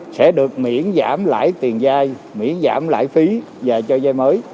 sẽ được miễn giảm lại tiền dai miễn giảm lại phí và cho dai mới